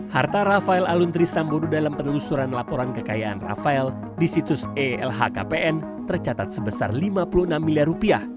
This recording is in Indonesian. harta rafael aluntri sambodo dalam penelusuran laporan kekayaan rafael di situs elhkpn tercatat sebesar lima puluh enam miliar rupiah